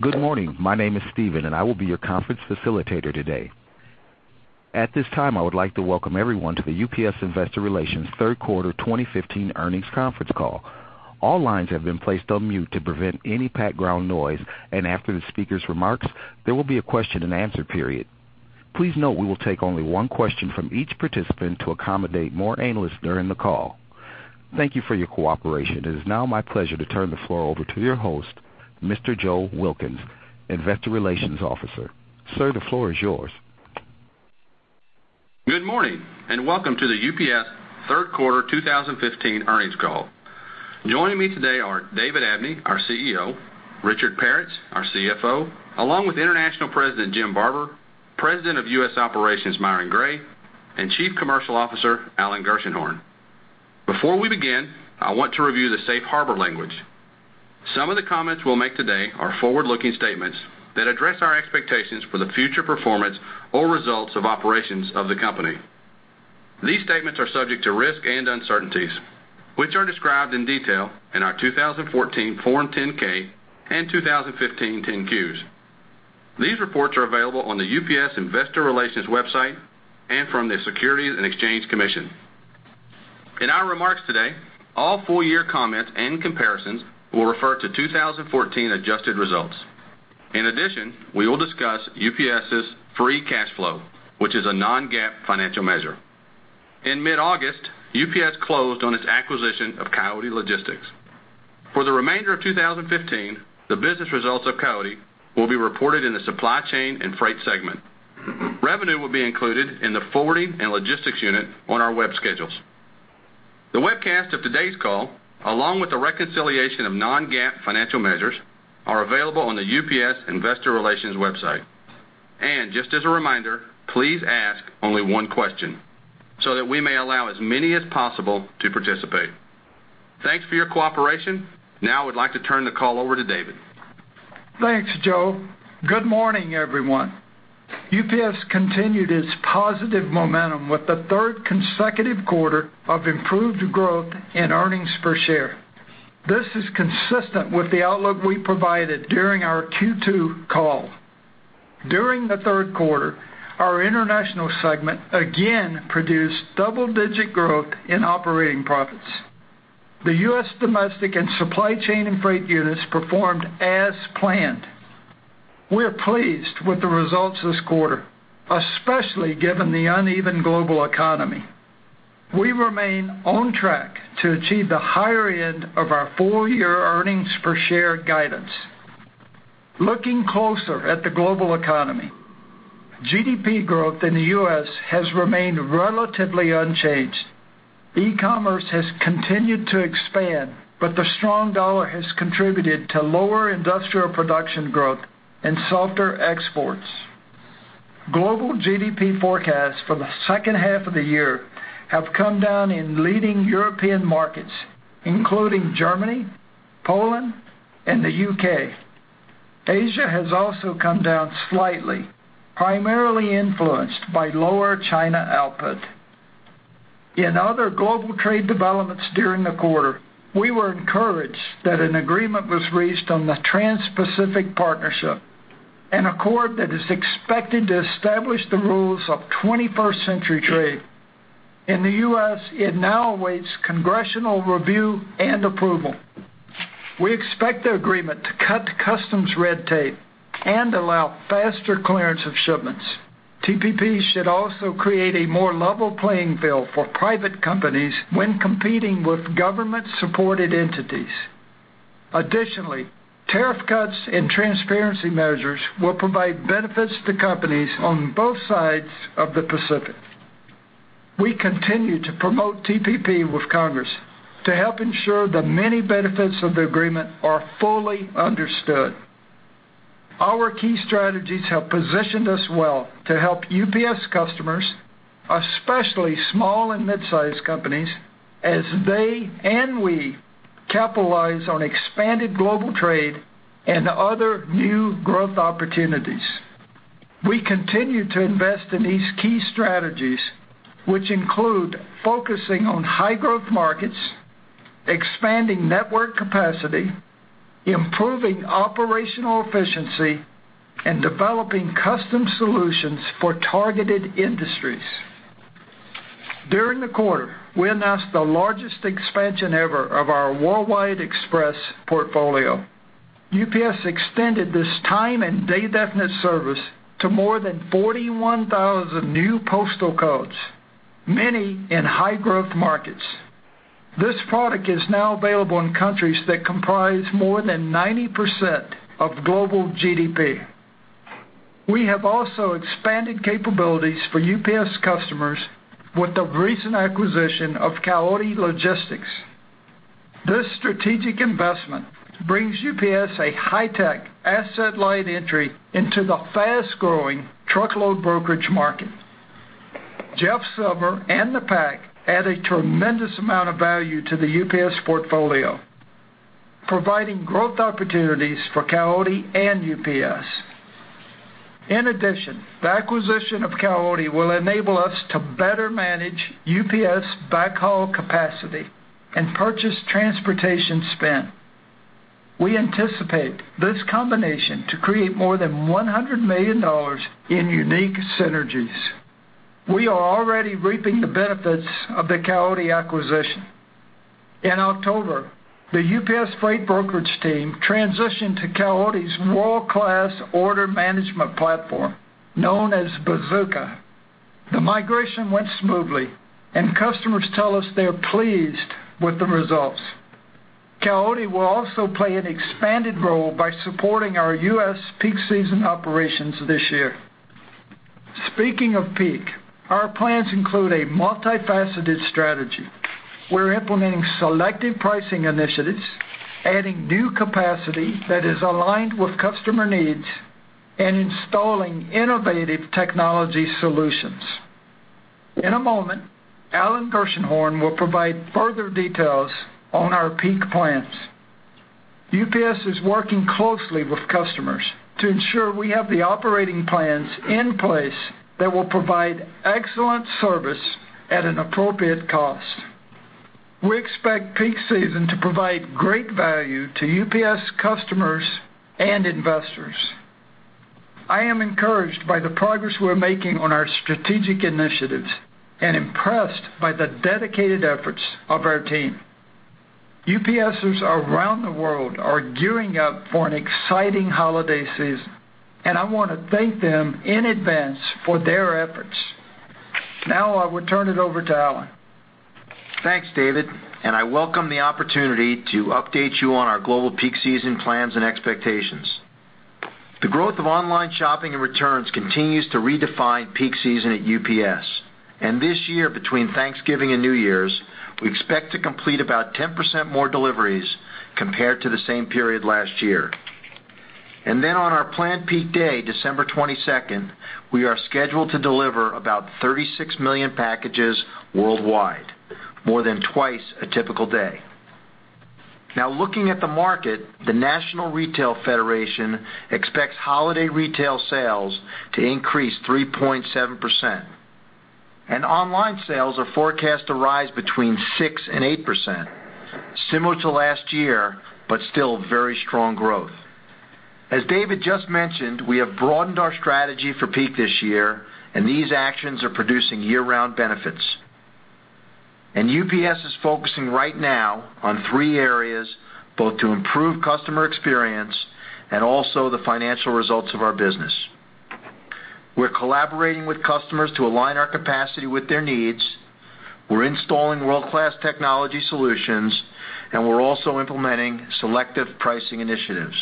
Good morning. My name is Steven, and I will be your conference facilitator today. At this time, I would like to welcome everyone to the UPS Investor Relations third quarter 2015 earnings conference call. All lines have been placed on mute to prevent any background noise, and after the speaker's remarks, there will be a question and answer period. Please note we will take only one question from each participant to accommodate more analysts during the call. Thank you for your cooperation. It is now my pleasure to turn the floor over to your host, Mr. Joe Wilkins, Investor Relations Officer. Sir, the floor is yours. Good morning, welcome to the UPS third quarter 2015 earnings call. Joining me today are David Abney, our CEO, Richard Peretz, our CFO, along with International President Jim Barber, President of U.S. Operations Myron Gray, and Chief Commercial Officer Alan Gershenhorn. Before we begin, I want to review the safe harbor language. Some of the comments we'll make today are forward-looking statements that address our expectations for the future performance or results of operations of the company. These statements are subject to risk and uncertainties, which are described in detail in our 2014 Form 10-K and 2015 10-Qs. These reports are available on the UPS Investor Relations website and from the Securities and Exchange Commission. In our remarks today, all full-year comments and comparisons will refer to 2014 adjusted results. In addition, we will discuss UPS's free cash flow, which is a non-GAAP financial measure. In mid-August, UPS closed on its acquisition of Coyote Logistics. For the remainder of 2015, the business results of Coyote will be reported in the Supply Chain and Freight segment. Revenue will be included in the forwarding and logistics unit on our web schedules. The webcast of today's call, along with the reconciliation of non-GAAP financial measures, are available on the UPS Investor Relations website. Just as a reminder, please ask only one question so that we may allow as many as possible to participate. Thanks for your cooperation. Now I would like to turn the call over to David. Thanks, Joe. Good morning, everyone. UPS continued its positive momentum with the third consecutive quarter of improved growth in earnings per share. This is consistent with the outlook we provided during our Q2 call. During the third quarter, our International segment again produced double-digit growth in operating profits. The U.S. Domestic and Supply Chain and Freight units performed as planned. We're pleased with the results this quarter, especially given the uneven global economy. We remain on track to achieve the higher end of our full-year earnings per share guidance. Looking closer at the global economy, GDP growth in the U.S. has remained relatively unchanged. E-commerce has continued to expand, but the strong dollar has contributed to lower industrial production growth and softer exports. Global GDP forecasts for the second half of the year have come down in leading European markets, including Germany, Poland, and the U.K. Asia has also come down slightly, primarily influenced by lower China output. In other global trade developments during the quarter, we were encouraged that an agreement was reached on the Trans-Pacific Partnership, an accord that is expected to establish the rules of 21st century trade. In the U.S., it now awaits congressional review and approval. We expect the agreement to cut customs red tape and allow faster clearance of shipments. TPP should also create a more level playing field for private companies when competing with government-supported entities. Additionally, tariff cuts and transparency measures will provide benefits to companies on both sides of the Pacific. We continue to promote TPP with Congress to help ensure the many benefits of the agreement are fully understood. Our key strategies have positioned us well to help UPS customers, especially small and mid-sized companies, as they and we capitalize on expanded global trade and other new growth opportunities. We continue to invest in these key strategies, which include focusing on high-growth markets, expanding network capacity, improving operational efficiency, and developing custom solutions for targeted industries. During the quarter, we announced the largest expansion ever of our worldwide express portfolio. UPS extended this time and day definite service to more than 41,000 new postal codes, many in high-growth markets. This product is now available in countries that comprise more than 90% of global GDP. We have also expanded capabilities for UPS customers with the recent acquisition of Coyote Logistics. This strategic investment brings UPS a high-tech, asset-light entry into the fast-growing truckload brokerage market. Jeff Silver and Coyote add a tremendous amount of value to the UPS portfolio, providing growth opportunities for Coyote and UPS. In addition, the acquisition of Coyote will enable us to better manage UPS back haul capacity and purchase transportation spend. We anticipate this combination to create more than $100 million in unique synergies. We are already reaping the benefits of the Coyote acquisition. In October, the UPS Freight brokerage team transitioned to Coyote's world-class order management platform known as Bazooka. The migration went smoothly, and customers tell us they are pleased with the results. Coyote will also play an expanded role by supporting our U.S. peak season operations this year. Speaking of peak, our plans include a multifaceted strategy. We're implementing selective pricing initiatives, adding new capacity that is aligned with customer needs, and installing innovative technology solutions. In a moment, Alan Gershenhorn will provide further details on our peak plans. UPS is working closely with customers to ensure we have the operating plans in place that will provide excellent service at an appropriate cost. We expect peak season to provide great value to UPS customers and investors. I am encouraged by the progress we're making on our strategic initiatives and impressed by the dedicated efforts of our team. UPSers around the world are gearing up for an exciting holiday season, and I want to thank them in advance for their efforts. Now I will turn it over to Alan. Thanks, David, I welcome the opportunity to update you on our global peak season plans and expectations. The growth of online shopping and returns continues to redefine peak season at UPS, this year, between Thanksgiving and New Year's, we expect to complete about 10% more deliveries compared to the same period last year. On our planned peak day, December 22nd, we are scheduled to deliver about 36 million packages worldwide, more than twice a typical day. Looking at the market, the National Retail Federation expects holiday retail sales to increase 3.7%, online sales are forecast to rise between 6% and 8%, similar to last year, but still very strong growth. As David just mentioned, we have broadened our strategy for peak this year, these actions are producing year-round benefits. UPS is focusing right now on three areas, both to improve customer experience and also the financial results of our business. We're collaborating with customers to align our capacity with their needs, we're installing world-class technology solutions, we're also implementing selective pricing initiatives.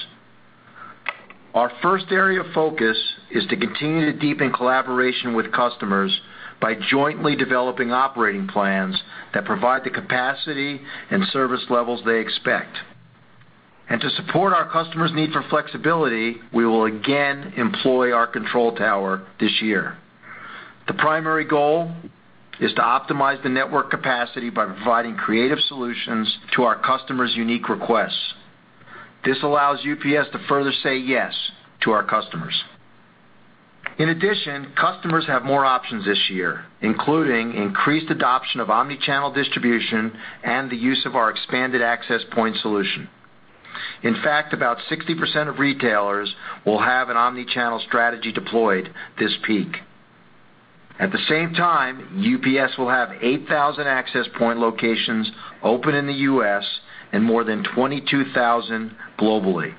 Our first area of focus is to continue to deepen collaboration with customers by jointly developing operating plans that provide the capacity and service levels they expect. To support our customers' need for flexibility, we will again employ our control tower this year. The primary goal is to optimize the network capacity by providing creative solutions to our customers' unique requests. This allows UPS to further say yes to our customers. In addition, customers have more options this year, including increased adoption of omni-channel distribution and the use of our expanded Access Point solution. In fact, about 60% of retailers will have an omni-channel strategy deployed this peak. At the same time, UPS will have 8,000 Access Point locations open in the U.S. and more than 22,000 globally.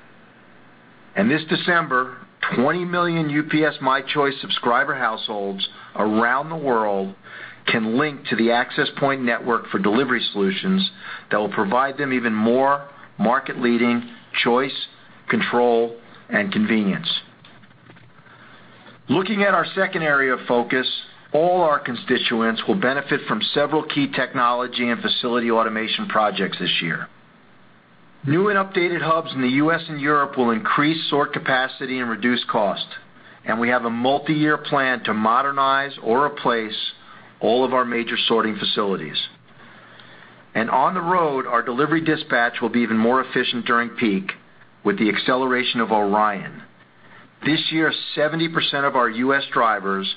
This December, 20 million UPS My Choice subscriber households around the world can link to the Access Point network for delivery solutions that will provide them even more market-leading choice, control, and convenience. Looking at our second area of focus, all our constituents will benefit from several key technology and facility automation projects this year. New and updated hubs in the U.S. and Europe will increase sort capacity and reduce cost, we have a multi-year plan to modernize or replace all of our major sorting facilities. On the road, our delivery dispatch will be even more efficient during peak with the acceleration of ORION. This year, 70% of our U.S. drivers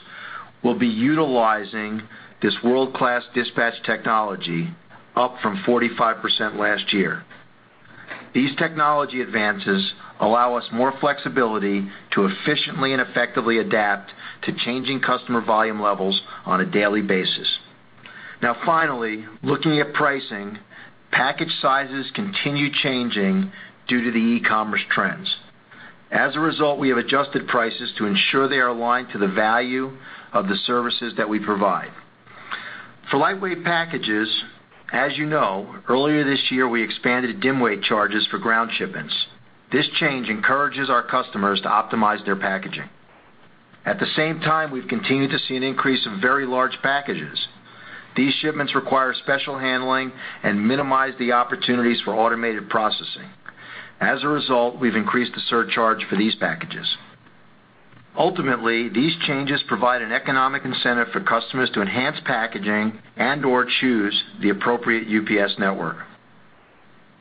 will be utilizing this world-class dispatch technology, up from 45% last year. These technology advances allow us more flexibility to efficiently and effectively adapt to changing customer volume levels on a daily basis. Finally, looking at pricing, package sizes continue changing due to the e-commerce trends. As a result, we have adjusted prices to ensure they are aligned to the value of the services that we provide. For lightweight packages, as you know, earlier this year we expanded dim weight charges for ground shipments. This change encourages our customers to optimize their packaging. At the same time, we've continued to see an increase in very large packages. These shipments require special handling and minimize the opportunities for automated processing. As a result, we've increased the surcharge for these packages. Ultimately, these changes provide an economic incentive for customers to enhance packaging and/or choose the appropriate UPS network.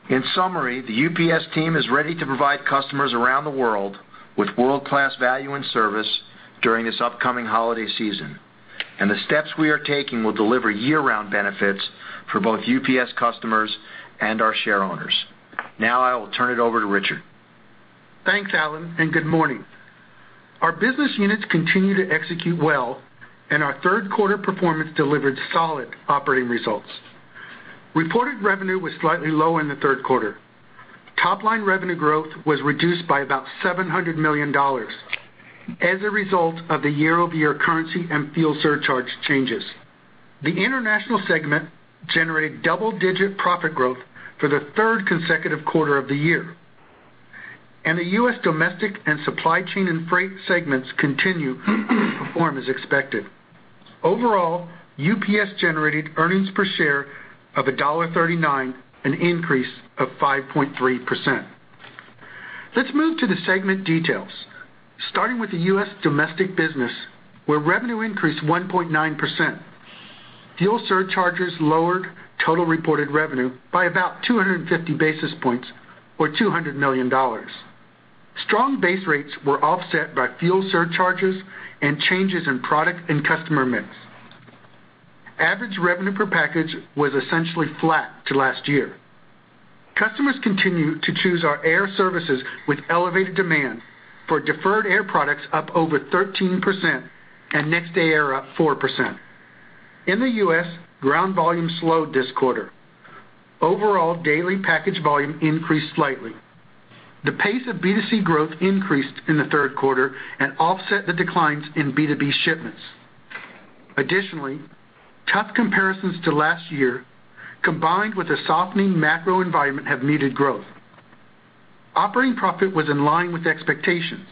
In summary, the UPS team is ready to provide customers around the world with world-class value and service during this upcoming holiday season, and the steps we are taking will deliver year-round benefits for both UPS customers and our shareowners. Now I will turn it over to Richard. Thanks, Alan. Good morning. Our business units continue to execute well, and our third quarter performance delivered solid operating results. Reported revenue was slightly low in the third quarter. Top-line revenue growth was reduced by about $700 million as a result of the year-over-year currency and fuel surcharge changes. The international segment generated double-digit profit growth for the third consecutive quarter of the year, and the U.S. domestic and supply chain and freight segments continue to perform as expected. Overall, UPS generated earnings per share of $1.39, an increase of 5.3%. Let's move to the segment details, starting with the U.S. domestic business, where revenue increased 1.9%. Fuel surcharges lowered total reported revenue by about 250 basis points or $200 million. Strong base rates were offset by fuel surcharges and changes in product and customer mix. Average revenue per package was essentially flat to last year. Customers continue to choose our air services, with elevated demand for deferred air products up over 13% and Next Day Air up 4%. In the U.S., ground volume slowed this quarter. Overall, daily package volume increased slightly. The pace of B2C growth increased in the third quarter and offset the declines in B2B shipments. Additionally, tough comparisons to last year, combined with a softening macro environment, have muted growth. Operating profit was in line with expectations,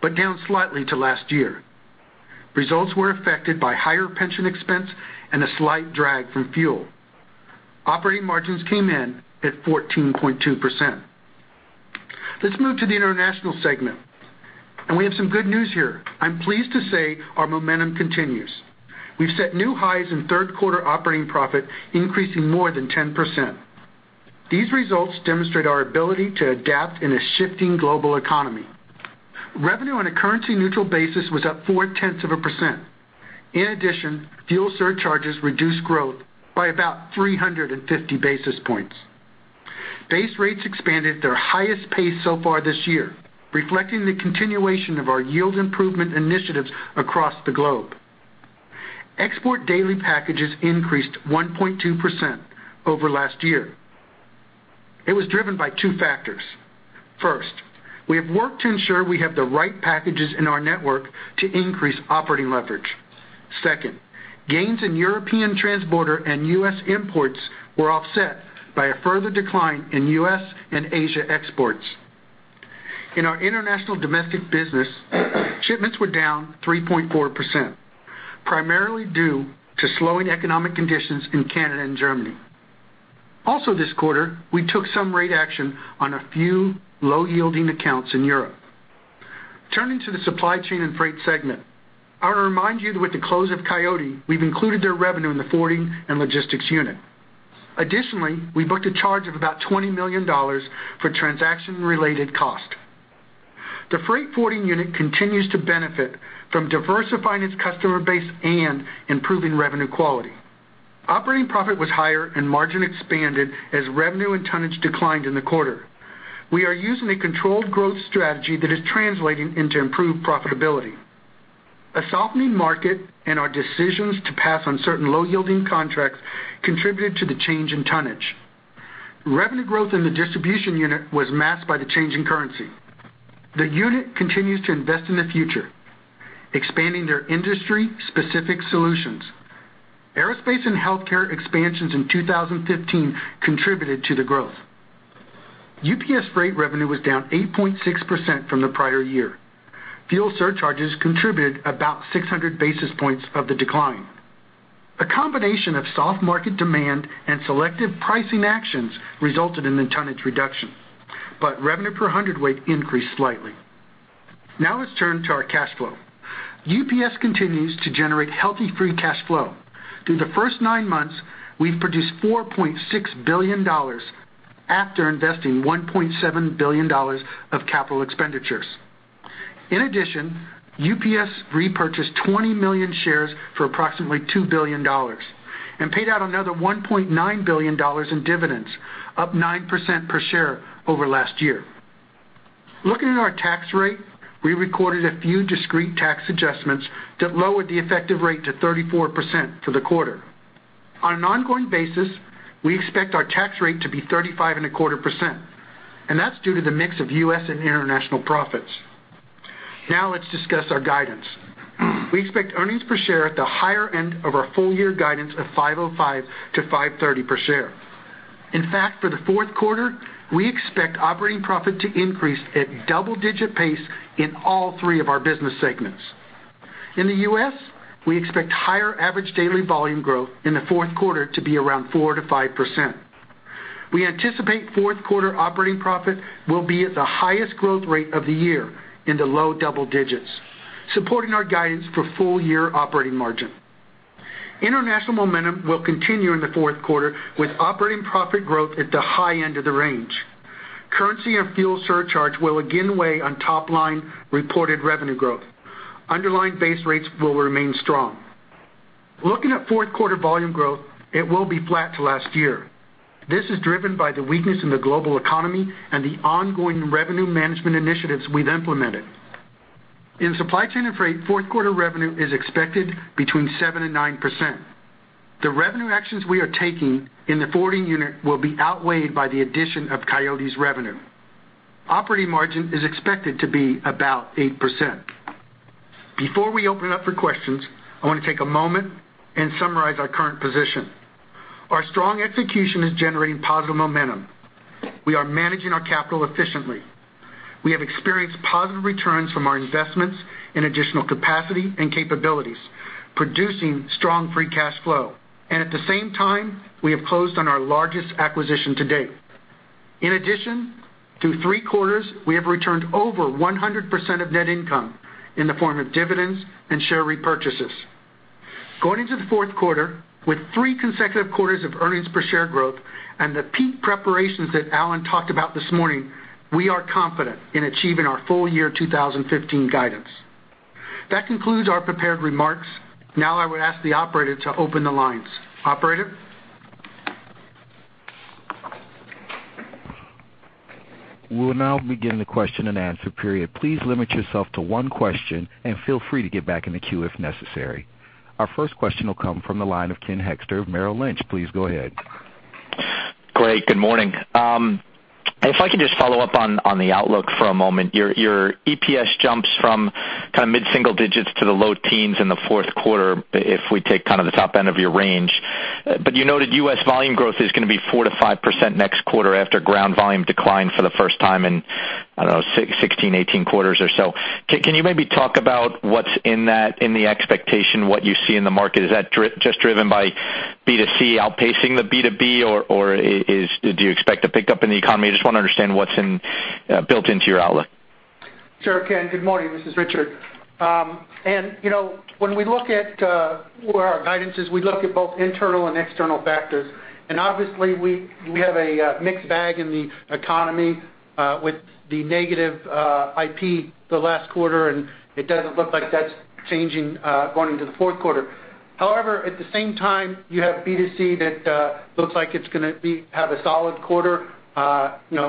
but down slightly to last year. Results were affected by higher pension expense and a slight drag from fuel. Operating margins came in at 14.2%. Let's move to the international segment, and we have some good news here. I'm pleased to say our momentum continues. We've set new highs in third-quarter operating profit, increasing more than 10%. These results demonstrate our ability to adapt in a shifting global economy. Revenue on a currency-neutral basis was up 0.4%. In addition, fuel surcharges reduced growth by about 350 basis points. Base rates expanded at their highest pace so far this year, reflecting the continuation of our yield improvement initiatives across the globe. Export daily packages increased 1.2% over last year. It was driven by two factors. First, we have worked to ensure we have the right packages in our network to increase operating leverage. Second, gains in European transborder and U.S. imports were offset by a further decline in U.S. and Asia exports. In our international domestic business, shipments were down 3.4%, primarily due to slowing economic conditions in Canada and Germany. Also this quarter, we took some rate action on a few low-yielding accounts in Europe. Turning to the supply chain and freight segment, I want to remind you that with the close of Coyote, we've included their revenue in the forwarding and logistics unit. Additionally, we booked a charge of about $20 million for transaction-related cost. The freight forwarding unit continues to benefit from diversifying its customer base and improving revenue quality. Operating profit was higher and margin expanded as revenue and tonnage declined in the quarter. We are using a controlled growth strategy that is translating into improved profitability. A softening market and our decisions to pass on certain low-yielding contracts contributed to the change in tonnage. Revenue growth in the distribution unit was masked by the change in currency. The unit continues to invest in the future, expanding their industry-specific solutions. Aerospace and healthcare expansions in 2015 contributed to the growth. UPS Freight revenue was down 8.6% from the prior year. Fuel surcharges contributed about 600 basis points of the decline. A combination of soft market demand and selective pricing actions resulted in the tonnage reduction, but revenue per hundredweight increased slightly. Let's turn to our cash flow. UPS continues to generate healthy free cash flow. Through the first nine months, we've produced $4.6 billion after investing $1.7 billion of capital expenditures. In addition, UPS repurchased 20 million shares for approximately $2 billion and paid out another $1.9 billion in dividends, up 9% per share over last year. Looking at our tax rate, we recorded a few discrete tax adjustments that lowered the effective rate to 34% for the quarter. On an ongoing basis, we expect our tax rate to be 35.25%, and that's due to the mix of U.S. and international profits. Let's discuss our guidance. We expect earnings per share at the higher end of our full-year guidance of $5.05 to $5.30 per share. In fact, for the fourth quarter, we expect operating profit to increase at double-digit pace in all three of our business segments. In the U.S., we expect higher average daily volume growth in the fourth quarter to be around 4% to 5%. We anticipate fourth quarter operating profit will be at the highest growth rate of the year in the low double digits, supporting our guidance for full-year operating margin. International momentum will continue in the fourth quarter with operating profit growth at the high end of the range. Currency and fuel surcharge will again weigh on top-line reported revenue growth. Underlying base rates will remain strong. Looking at fourth quarter volume growth, it will be flat to last year. This is driven by the weakness in the global economy and the ongoing revenue management initiatives we've implemented. In supply chain and freight, fourth-quarter revenue is expected between 7% and 9%. The revenue actions we are taking in the forwarding unit will be outweighed by the addition of Coyote's revenue. Operating margin is expected to be about 8%. Before we open up for questions, I want to take a moment and summarize our current position. Our strong execution is generating positive momentum. We are managing our capital efficiently. We have experienced positive returns from our investments in additional capacity and capabilities, producing strong free cash flow. At the same time, we have closed on our largest acquisition to date. In addition, through three quarters, we have returned over 100% of net income in the form of dividends and share repurchases. Going into the fourth quarter, with three consecutive quarters of earnings per share growth and the peak preparations that Alan talked about this morning, we are confident in achieving our full year 2015 guidance. That concludes our prepared remarks. I would ask the operator to open the lines. Operator? We will now begin the question-and-answer period. Please limit yourself to one question and feel free to get back in the queue if necessary. Our first question will come from the line of Ken Hoexter of Merrill Lynch. Please go ahead. Great. Good morning. If I could just follow up on the outlook for a moment. Your EPS jumps from mid-single digits to the low teens in the fourth quarter, if we take the top end of your range. You noted U.S. volume growth is going to be 4%-5% next quarter after ground volume declined for the first time in, I don't know, 16, 18 quarters or so. Can you maybe talk about what's in the expectation, what you see in the market? Is that just driven by B2C outpacing the B2B, or do you expect a pickup in the economy? I just want to understand what's built into your outlook. Sure, Ken. Good morning. This is Richard. When we look at where our guidance is, we look at both internal and external factors. Obviously, we have a mixed bag in the economy, with the negative IP the last quarter, and it doesn't look like that's changing going into the fourth quarter. However, at the same time, you have B2C that looks like it's going to have a solid quarter.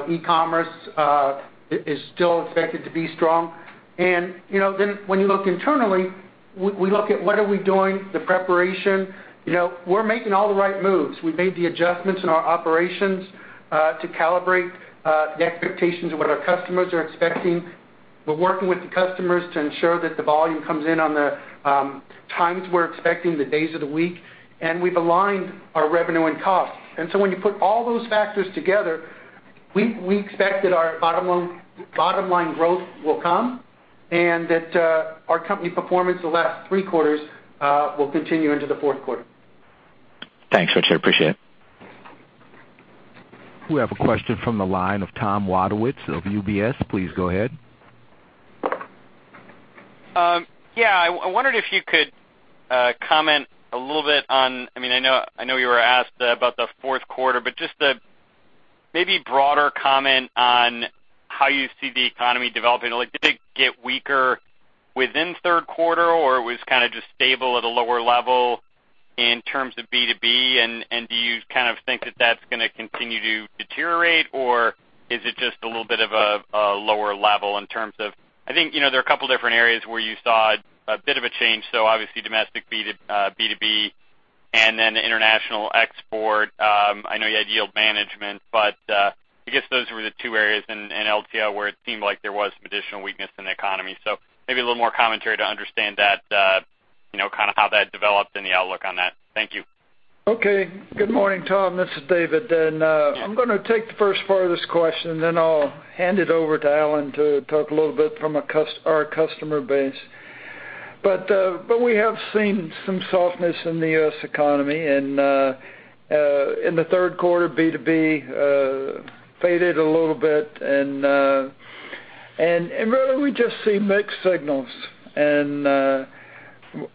E-commerce is still expected to be strong. When you look internally, we look at what are we doing, the preparation. We're making all the right moves. We've made the adjustments in our operations to calibrate the expectations of what our customers are expecting. We're working with the customers to ensure that the volume comes in on the times we're expecting, the days of the week. We've aligned our revenue and costs. When you put all those factors together, we expect that our bottom-line growth will come, and that our company performance the last three quarters will continue into the fourth quarter. Thanks, Richard. Appreciate it. We have a question from the line of Thomas Wadewitz of UBS. Please go ahead. Yeah. I wondered if you could comment a little bit on, I know you were asked about the fourth quarter, but just maybe broader comment on how you see the economy developing. Did it get weaker within third quarter, or it was just stable at a lower level in terms of B2B? Do you think that that's going to continue to deteriorate, or is it just a little bit of a lower level in terms of I think there are a couple of different areas where you saw a bit of a change. Obviously, domestic B2B and then international export. I know you had yield management, but I guess those were the two areas in LTL where it seemed like there was some additional weakness in the economy. Maybe a little more commentary to understand how that developed and the outlook on that. Thank you. Okay. Good morning, Tom. This is David. I'm going to take the first part of this question, then I'll hand it over to Alan to talk a little bit from our customer base. We have seen some softness in the U.S. economy. In the third quarter, B2B faded a little bit. Really, we just see mixed signals.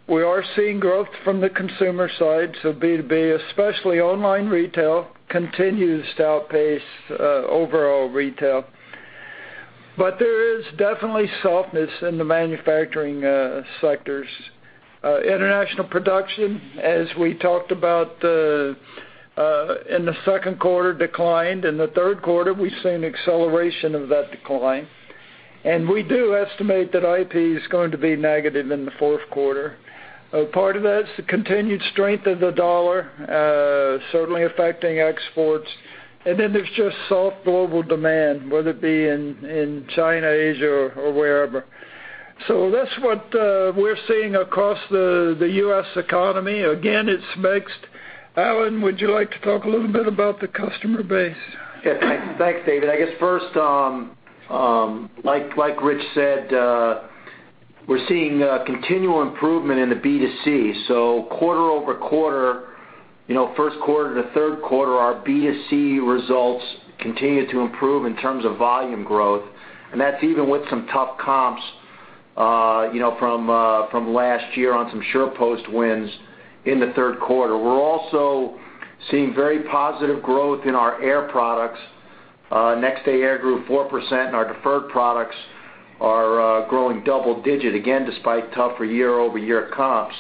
We are seeing growth from the consumer side. B2B, especially online retail, continues to outpace overall retail. There is definitely softness in the manufacturing sectors. International production, as we talked about in the second quarter, declined. In the third quarter, we've seen acceleration of that decline. We do estimate that IP is going to be negative in the fourth quarter. Part of that is the continued strength of the dollar certainly affecting exports. There's just soft global demand, whether it be in China, Asia, or wherever. That's what we're seeing across the U.S. economy. Again, it's mixed. Alan, would you like to talk a little bit about the customer base? Yeah. Thanks, David. I guess first, like Rich said, we're seeing continual improvement in the B2C. Quarter-over-quarter First quarter to third quarter, our B2C results continued to improve in terms of volume growth, and that's even with some tough comps from last year on some SurePost wins in the third quarter. We're also seeing very positive growth in our air products. Next Day Air grew 4%, and our deferred products are growing double digit, again, despite tougher year-over-year comps.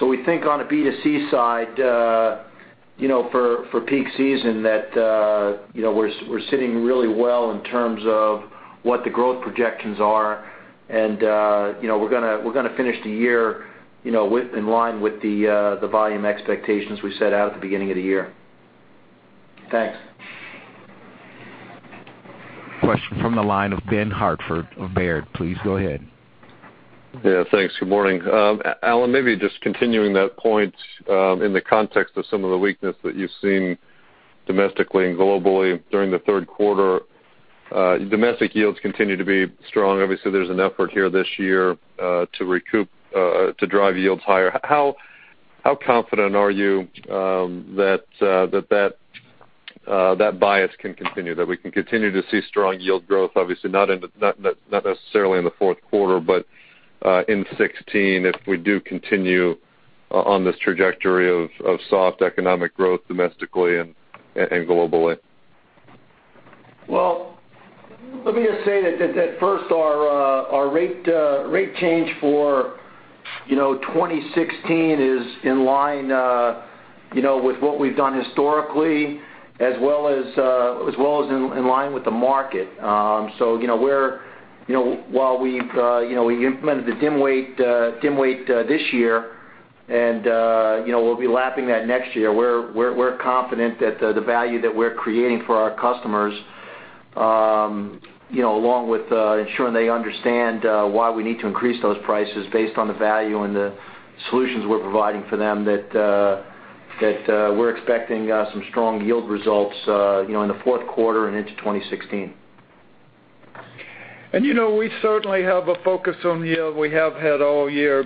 We think on a B2C side, for peak season that we're sitting really well in terms of what the growth projections are, and we're going to finish the year in line with the volume expectations we set out at the beginning of the year. Thanks. Question from the line of Benjamin Hartford of Baird. Please go ahead. Yeah, thanks. Good morning. Alan, maybe just continuing that point in the context of some of the weakness that you've seen domestically and globally during the third quarter. Domestic yields continue to be strong. Obviously, there's an effort here this year to drive yields higher. How confident are you that that bias can continue? That we can continue to see strong yield growth, obviously not necessarily in the fourth quarter, but in 2016 if we do continue on this trajectory of soft economic growth domestically and globally? Let me just say that first our rate change for 2016 is in line with what we've done historically, as well as in line with the market. While we implemented the dim weight this year, and we'll be lapping that next year, we're confident that the value that we're creating for our customers, along with ensuring they understand why we need to increase those prices based on the value and the solutions we're providing for them, that we're expecting some strong yield results in the fourth quarter and into 2016. We certainly have a focus on yield. We have had all year.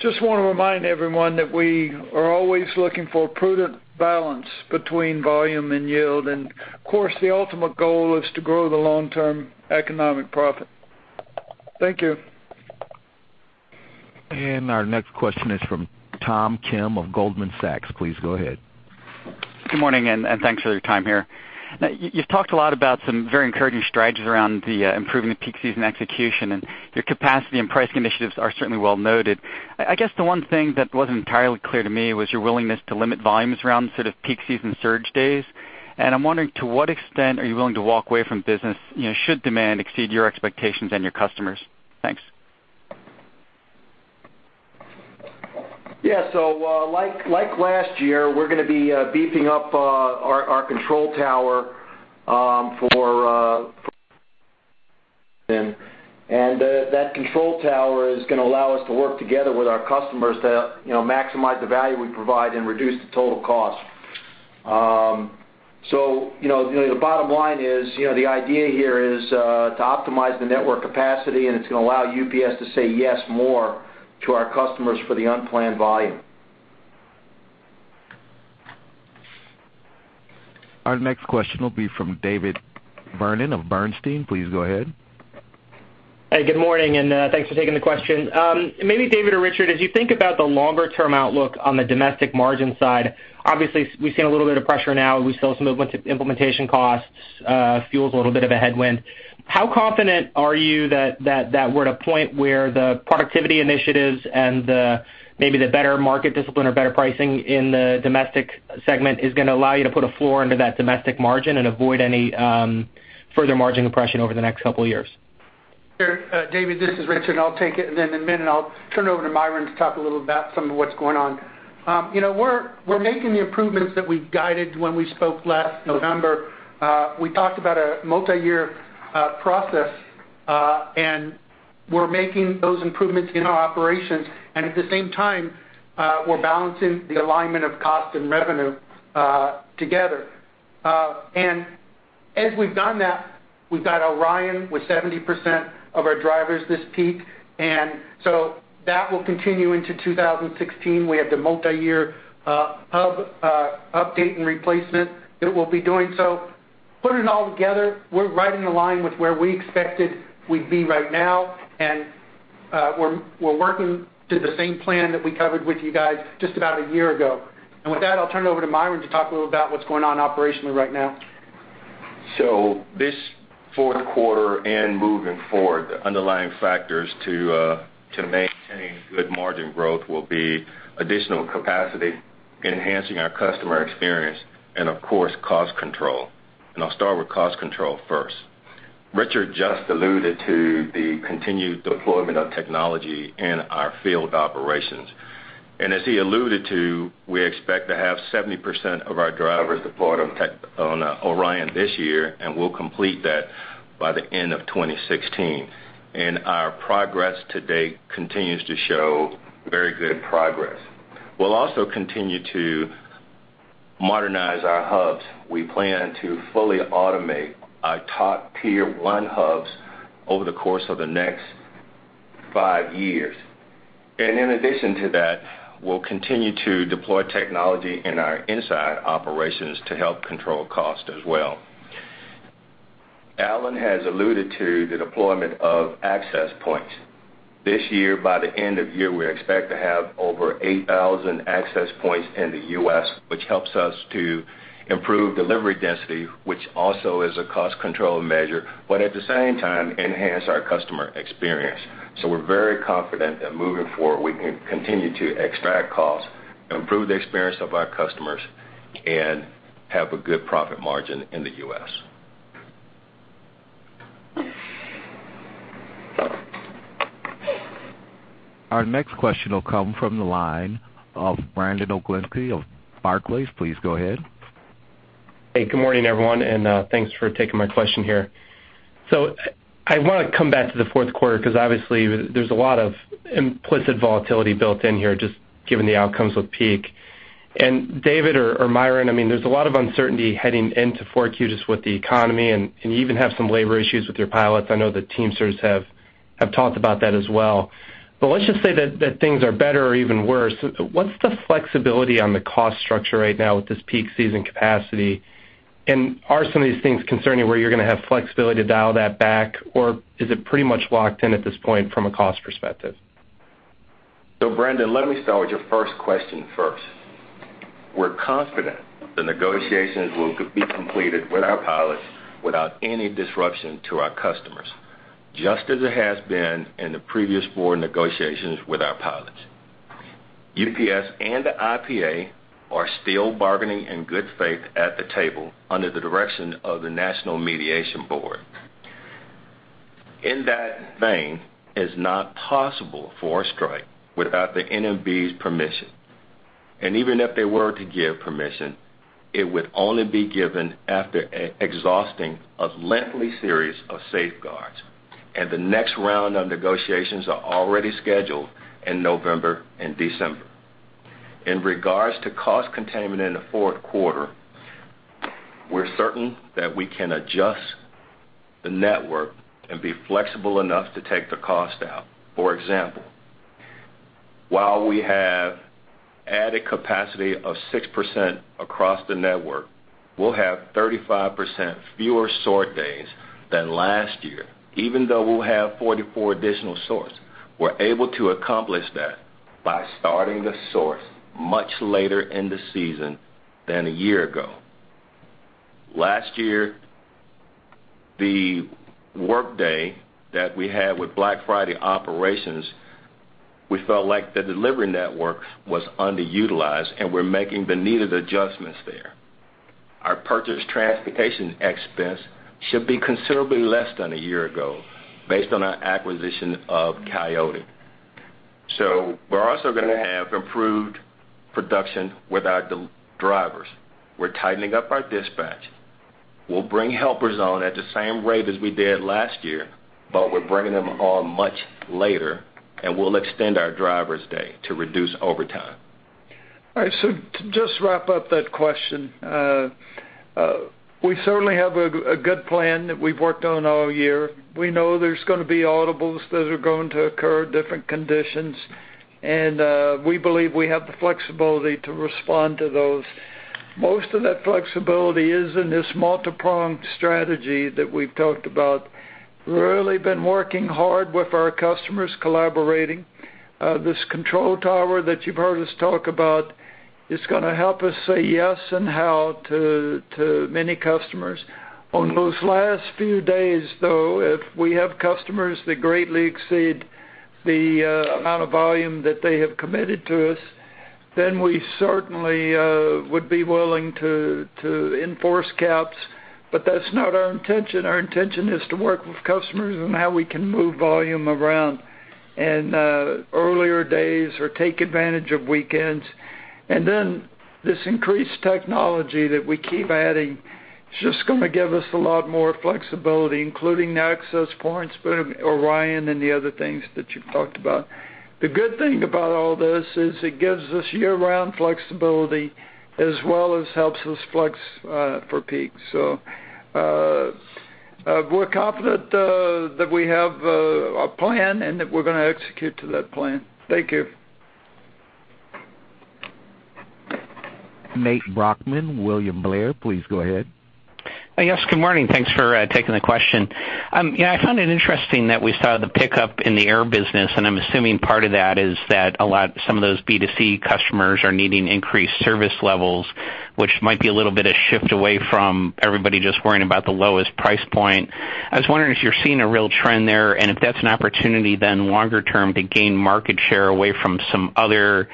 Just want to remind everyone that we are always looking for a prudent balance between volume and yield. Of course, the ultimate goal is to grow the long-term economic profit. Thank you. Our next question is from Tom Kim of Goldman Sachs. Please go ahead. Good morning, and thanks for your time here. You've talked a lot about some very encouraging strides around the improvement of peak season execution, and your capacity and price initiatives are certainly well noted. I guess the one thing that wasn't entirely clear to me was your willingness to limit volumes around sort of peak season surge days. I'm wondering to what extent are you willing to walk away from business should demand exceed your expectations and your customers? Thanks. Yeah. Like last year, we're going to be beefing up our control tower for. That control tower is going to allow us to work together with our customers to maximize the value we provide and reduce the total cost. The bottom line is, the idea here is to optimize the network capacity, and it's going to allow UPS to say yes more to our customers for the unplanned volume. Our next question will be from David Vernon of Bernstein. Please go ahead. Hey, good morning, and thanks for taking the question. Maybe David or Richard, as you think about the longer-term outlook on the domestic margin side, obviously we've seen a little bit of pressure now. We still have some implementation costs, fuel's a little bit of a headwind. How confident are you that we're at a point where the productivity initiatives and maybe the better market discipline or better pricing in the domestic segment is going to allow you to put a floor under that domestic margin and avoid any further margin compression over the next couple of years? David, this is Richard. I'll take it. Then in a minute I'll turn it over to Myron to talk a little about some of what's going on. We're making the improvements that we guided when we spoke last November. We talked about a multi-year process. We're making those improvements in our operations. At the same time, we're balancing the alignment of cost and revenue together. As we've done that, we've got ORION with 70% of our drivers this peak. That will continue into 2016. We have the multi-year hub update and replacement that we'll be doing. Putting it all together, we're right in the line with where we expected we'd be right now. We're working to the same plan that we covered with you guys just about a year ago. With that, I'll turn it over to Myron to talk a little about what's going on operationally right now. This fourth quarter and moving forward, the underlying factors to maintain good margin growth will be additional capacity, enhancing our customer experience, and of course, cost control. I'll start with cost control first. Richard just alluded to the continued deployment of technology in our field operations. As he alluded to, we expect to have 70% of our drivers deployed on ORION this year. We'll complete that by the end of 2016. Our progress to date continues to show very good progress. We'll also continue to modernize our hubs. We plan to fully automate our top tier 1 hubs over the course of the next five years. In addition to that, we'll continue to deploy technology in our inside operations to help control cost as well. Alan has alluded to the deployment of Access Points. This year, by the end of the year, we expect to have over 8,000 Access Points in the U.S., which helps us to improve delivery density, which also is a cost control measure, but at the same time, enhance our customer experience. We're very confident that moving forward, we can continue to extract costs, improve the experience of our customers, and have a good profit margin in the U.S. Our next question will come from the line of Brandon Oglenski of Barclays. Please go ahead. Hey, good morning, everyone, and thanks for taking my question here. I want to come back to the fourth quarter because obviously, there's a lot of implicit volatility built in here, just given the outcomes with peak. David or Myron, there's a lot of uncertainty heading into 4Q just with the economy, and you even have some labor issues with your pilots. I know that Teamsters have talked about that as well. Let's just say that things are better or even worse. What's the flexibility on the cost structure right now with this peak season capacity? Are some of these things concerning where you're going to have flexibility to dial that back, or is it pretty much locked in at this point from a cost perspective? Brandon, let me start with your first question first. We're confident the negotiations will be completed with our pilots without any disruption to our customers, just as it has been in the previous four negotiations with our pilots. UPS and the IPA are still bargaining in good faith at the table under the direction of the National Mediation Board. In that vein, it's not possible for a strike without the NMB's permission. Even if they were to give permission, it would only be given after exhausting a lengthy series of safeguards, and the next round of negotiations are already scheduled in November and December. In regards to cost containment in the fourth quarter, we're certain that we can adjust the network and be flexible enough to take the cost out. For example, while we have added capacity of 6% across the network, we'll have 35% fewer sort days than last year, even though we'll have 44 additional sorts. We're able to accomplish that by starting to sort much later in the season than a year ago. Last year, the workday that we had with Black Friday operations, we felt like the delivery network was underutilized, and we're making the needed adjustments there. Our purchased transportation expense should be considerably less than a year ago based on our acquisition of Coyote. We're also going to have improved production with our drivers. We're tightening up our dispatch. We'll bring helpers on at the same rate as we did last year, but we're bringing them on much later, and we'll extend our drivers' day to reduce overtime. Just to wrap up that question. We certainly have a good plan that we've worked on all year. We know there's going to be audibles that are going to occur, different conditions, and we believe we have the flexibility to respond to those. Most of that flexibility is in this multi-pronged strategy that we've talked about. We've really been working hard with our customers, collaborating. This control tower that you've heard us talk about is going to help us say yes and how to many customers. On those last few days, though, if we have customers that greatly exceed the amount of volume that they have committed to us, then we certainly would be willing to enforce caps, but that's not our intention. Our intention is to work with customers on how we can move volume around in earlier days or take advantage of weekends. This increased technology that we keep adding is just going to give us a lot more flexibility, including Access Points, ORION, and the other things that you've talked about. The good thing about all this is it gives us year-round flexibility as well as helps us flex for peak. We're confident that we have a plan and that we're going to execute to that plan. Thank you. Nate Brochmann, William Blair, please go ahead. Yes, good morning. Thanks for taking the question. I find it interesting that we saw the pickup in the air business, and I'm assuming part of that is that some of those B2C customers are needing increased service levels, which might be a little bit of shift away from everybody just worrying about the lowest price point. I was wondering if you're seeing a real trend there, and if that's an opportunity then longer term to gain market share away from some other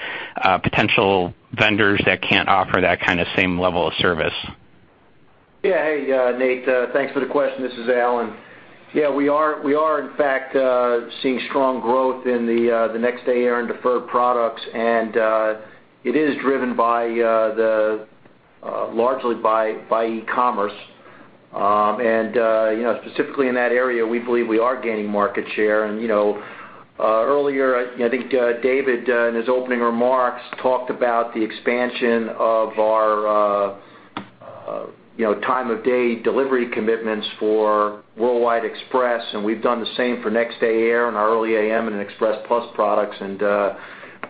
potential vendors that can't offer that kind of same level of service. Hey, Nate. Thanks for the question. This is Alan. We are in fact, seeing strong growth in the Next Day Air and deferred products, it is driven largely by e-commerce. Specifically in that area, we believe we are gaining market share. Earlier, I think David, in his opening remarks, talked about the expansion of our time of day delivery commitments for worldwide express, and we've done the same for Next Day Air and our early A.M. and Express Plus products.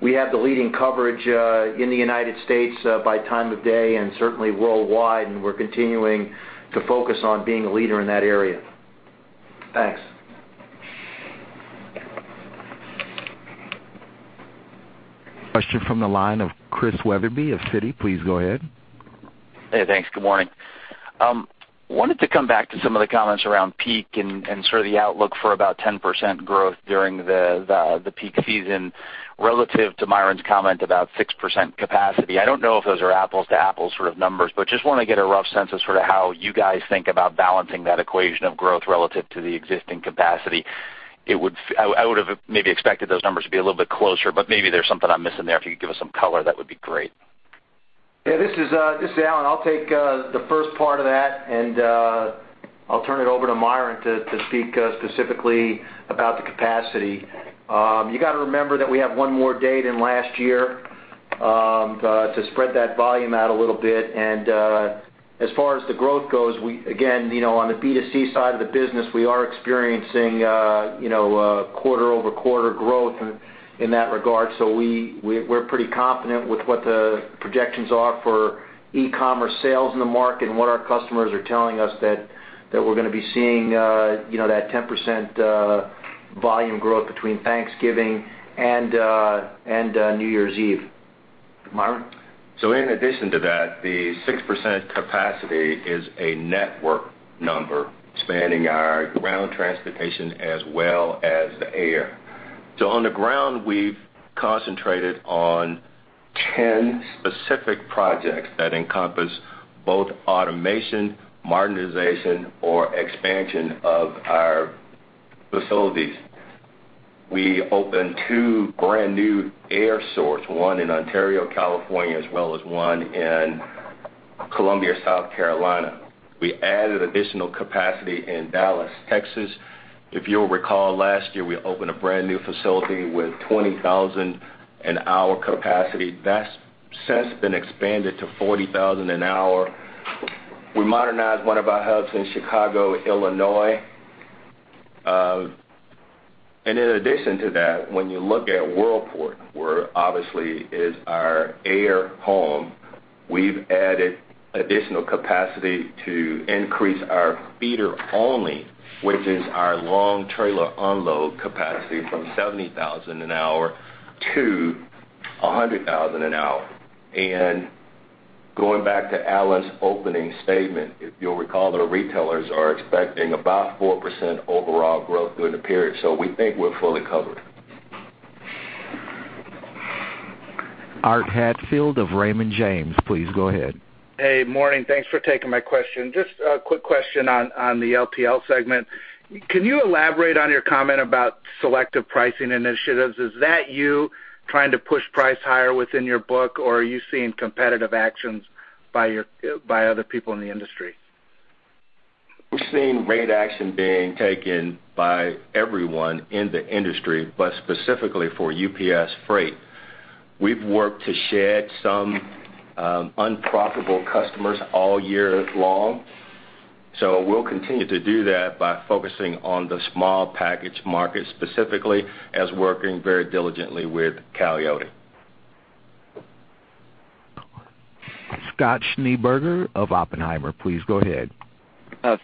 We have the leading coverage in the U.S. by time of day and certainly worldwide, and we're continuing to focus on being a leader in that area. Thanks. Question from the line of Chris Wetherbee of Citi. Please go ahead. Hey, thanks. Good morning. Wanted to come back to some of the comments around peak and sort of the outlook for about 10% growth during the peak season relative to Myron's comment about 6% capacity. I don't know if those are apples-to-apples sort of numbers, but just want to get a rough sense of sort of how you guys think about balancing that equation of growth relative to the existing capacity. I would have maybe expected those numbers to be a little bit closer, but maybe there's something I'm missing there. If you could give us some color, that would be great. Yeah. This is Alan. I'll take the first part of that, and I'll turn it over to Myron to speak specifically about the capacity. You got to remember that we have one more day than last year to spread that volume out a little bit. As far as the growth goes, again, on the B2C side of the business, we are experiencing quarter-over-quarter growth in that regard. We're pretty confident with what the projections are for e-commerce sales in the market and what our customers are telling us that we're going to be seeing that 10% volume growth between Thanksgiving and New Year's Eve. Myron? In addition to that, the 6% capacity is a network number spanning our ground transportation as well as the air. On the ground, we've concentrated on 10 specific projects that encompass both automation, modernization, or expansion of our facilities. We opened two brand-new air sorts, one in Ontario, California, as well as one in Columbia, South Carolina. We added additional capacity in Dallas, Texas. If you'll recall, last year, we opened a brand-new facility with 20,000 an hour capacity. That's since been expanded to 40,000 an hour. We modernized one of our hubs in Chicago, Illinois. In addition to that, when you look at Worldport, where obviously is our air home, we've added additional capacity to increase our feeder only, which is our long trailer unload capacity from 70,000 an hour to 100,000 an hour. Going back to Alan's opening statement, if you'll recall, the retailers are expecting about 4% overall growth during the period. We think we're fully covered. Art Hatfield of Raymond James, please go ahead. Hey, morning. Thanks for taking my question. Just a quick question on the LTL segment. Can you elaborate on your comment about selective pricing initiatives? Is that you trying to push price higher within your book, or are you seeing competitive actions by other people in the industry? We're seeing rate action being taken by everyone in the industry, but specifically for UPS Freight. We've worked to shed some unprofitable customers all year long. We'll continue to do that by focusing on the small package market specifically as working very diligently with Coyote. Scott Schneeberger of Oppenheimer, please go ahead.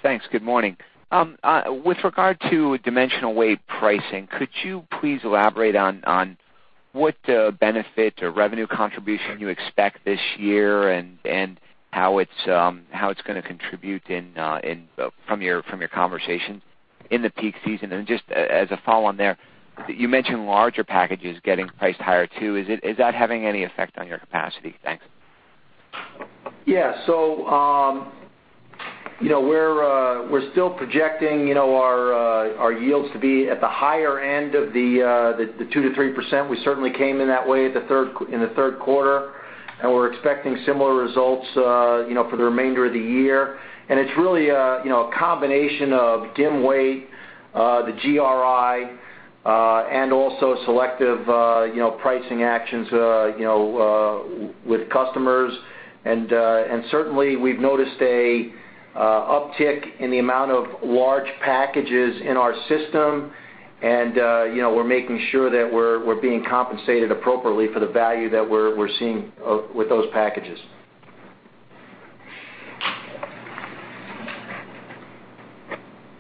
Thanks. Good morning. With regard to dimensional weight pricing, could you please elaborate on what benefit or revenue contribution you expect this year and how it's going to contribute from your conversations in the peak season? Just as a follow on there, you mentioned larger packages getting priced higher too. Is that having any effect on your capacity? Thanks. Yeah. We're still projecting our yields to be at the higher end of the 2%-3%. We certainly came in that way in the third quarter, we're expecting similar results for the remainder of the year. It's really a combination of dim weight, the GRI, and also selective pricing actions with customers. Certainly, we've noticed an uptick in the amount of large packages in our system, and we're making sure that we're being compensated appropriately for the value that we're seeing with those packages.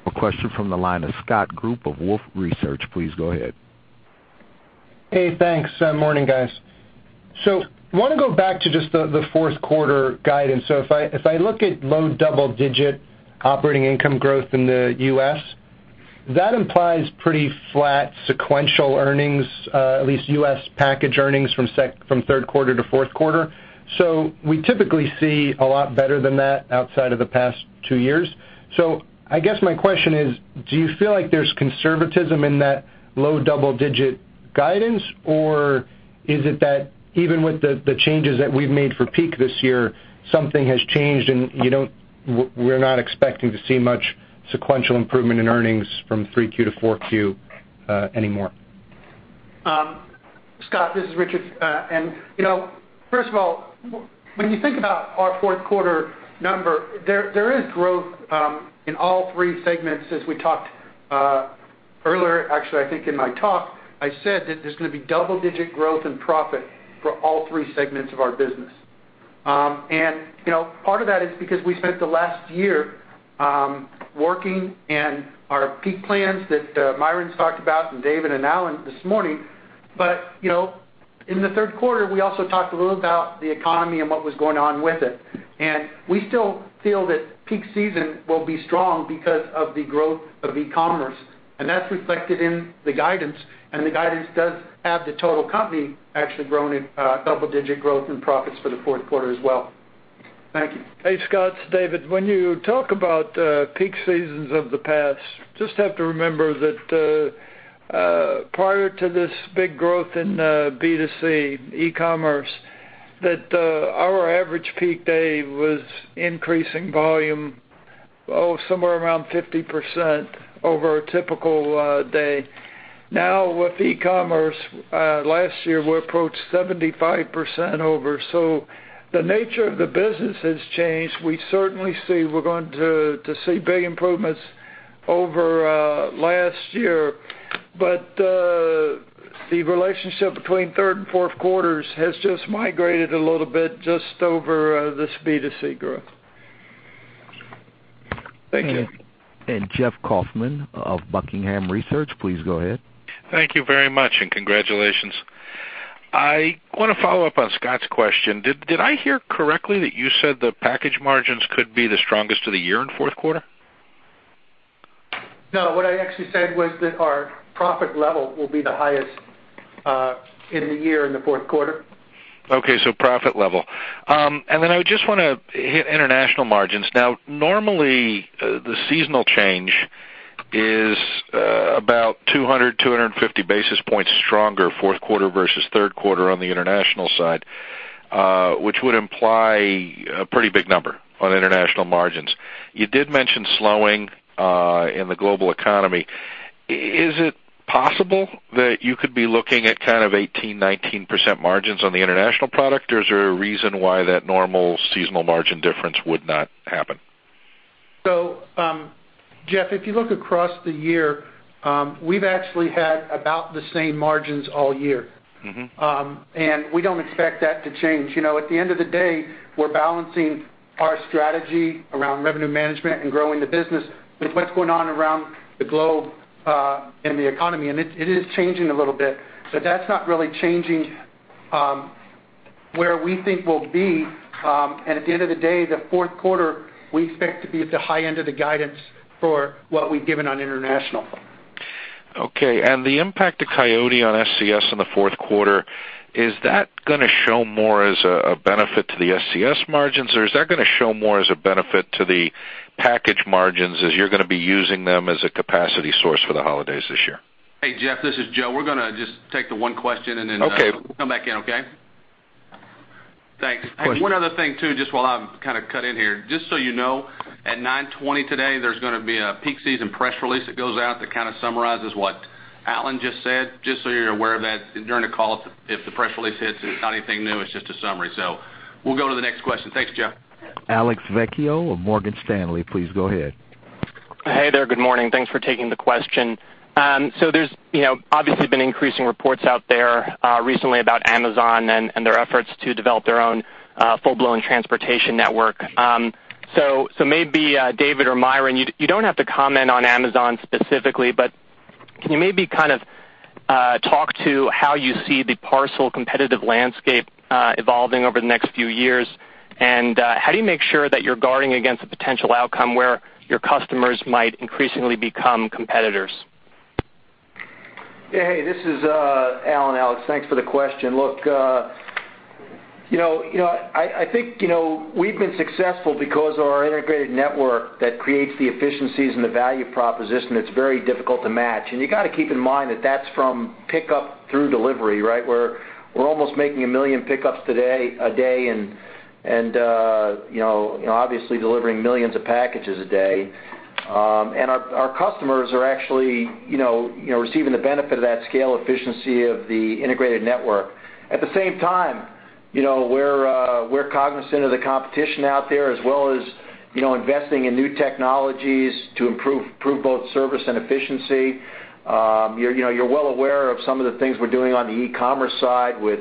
A question from the line of Scott Group of Wolfe Research. Please go ahead. Hey, thanks. Morning, guys. Want to go back to just the fourth quarter guidance. If I look at low double-digit operating income growth in the U.S., that implies pretty flat sequential earnings, at least U.S. package earnings from third quarter to fourth quarter. We typically see a lot better than that outside of the past two years. I guess my question is, do you feel like there's conservatism in that low double-digit- guidance? Is it that even with the changes that we've made for peak this year, something has changed and we're not expecting to see much sequential improvement in earnings from 3Q to 4Q anymore? Scott, this is Richard. First of all, when you think about our fourth quarter number, there is growth in all three segments as we talked earlier. Actually, I think in my talk, I said that there's going to be double-digit growth in profit for all three segments of our business. Part of that is because we spent the last year working and our peak plans that Myron's talked about, David and Alan this morning. In the third quarter, we also talked a little about the economy and what was going on with it. We still feel that peak season will be strong because of the growth of e-commerce. That's reflected in the guidance, and the guidance does have the total company actually growing at double-digit growth in profits for the fourth quarter as well. Thank you. Hey, Scott, it's David. When you talk about peak seasons of the past, just have to remember that prior to this big growth in B2C e-commerce, that our average peak day was increasing volume somewhere around 50% over a typical day. Now, with e-commerce, last year we approached 75% over. The nature of the business has changed. We certainly see we're going to see big improvements over last year. The relationship between third and fourth quarters has just migrated a little bit just over this B2C growth. Thank you. Jeff Kauffman of Buckingham Research, please go ahead. Thank you very much, and congratulations. I want to follow up on Scott's question. Did I hear correctly that you said the package margins could be the strongest of the year in fourth quarter? No, what I actually said was that our profit level will be the highest in the year in the fourth quarter. Okay, profit level. I just want to hit international margins. Normally, the seasonal change is about 200, 250 basis points stronger fourth quarter versus third quarter on the international side, which would imply a pretty big number on international margins. You did mention slowing in the global economy. Is it possible that you could be looking at kind of 18%, 19% margins on the international product, or is there a reason why that normal seasonal margin difference would not happen? Jeff, if you look across the year, we've actually had about the same margins all year. We don't expect that to change. At the end of the day, we're balancing our strategy around revenue management and growing the business with what's going on around the globe in the economy. It is changing a little bit, but that's not really changing where we think we'll be. At the end of the day, the fourth quarter, we expect to be at the high end of the guidance for what we've given on international. Okay. The impact of Coyote on SCS in the fourth quarter, is that going to show more as a benefit to the SCS margins, or is that going to show more as a benefit to the package margins as you're going to be using them as a capacity source for the holidays this year? Hey, Jeff, this is Joe. We're going to just take the one question, and then- Okay come back in, okay? Thanks. Question. One other thing, too, just while I'm kind of cut in here. Just so you know, at 9:20 A.M. today, there's going to be a peak season press release that goes out that kind of summarizes what Alan just said. Just so you're aware of that during the call if the press release hits, it's not anything new, it's just a summary. We'll go to the next question. Thanks, Jeff. Alex Vecchi of Morgan Stanley, please go ahead. Hey there. Good morning. Thanks for taking the question. There's obviously been increasing reports out there recently about Amazon and their efforts to develop their own full-blown transportation network. Maybe David or Myron, you don't have to comment on Amazon specifically, but can you maybe kind of talk to how you see the parcel competitive landscape evolving over the next few years? How do you make sure that you're guarding against a potential outcome where your customers might increasingly become competitors? Hey, this is Alan. Alex, thanks for the question. Look, I think we've been successful because of our integrated network that creates the efficiencies and the value proposition that's very difficult to match. You got to keep in mind that that's from pickup through delivery, right? We're almost making 1 million pickups a day and obviously delivering millions of packages a day. Our customers are actually receiving the benefit of that scale efficiency of the integrated network. At the same time, we're cognizant of the competition out there as well as investing in new technologies to improve both service and efficiency. You're well aware of some of the things we're doing on the e-commerce side with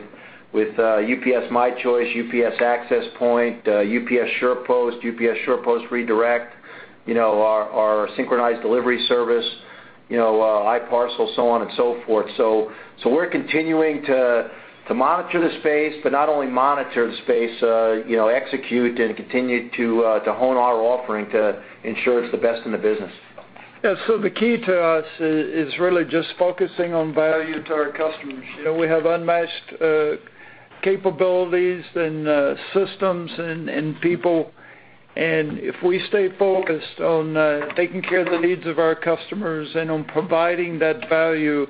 UPS My Choice, UPS Access Point, UPS SurePost, UPS SurePost Redirect, our synchronized delivery service, i-parcel, so on and so forth. We're continuing to monitor the space, not only monitor the space, execute and continue to hone our offering to ensure it's the best in the business. Yeah, the key to us is really just focusing on value to our customers. We have unmatched capabilities and systems and people. If we stay focused on taking care of the needs of our customers and on providing that value,